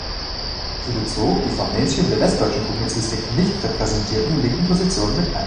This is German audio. Sie bezog die vom Mainstream der westdeutschen Publizistik nicht repräsentierten linken Positionen mit ein.